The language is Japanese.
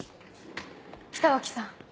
北脇さん